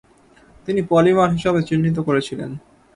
তিনি পলিমার হিসাবে চিহ্নিত করেছিলেন।